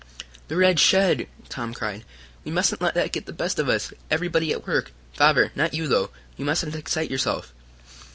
"The red shed!" Tom cried. "We mustn't let that get the best of us! Everybody at work! Father, not you, though. You mustn't excite yourself!"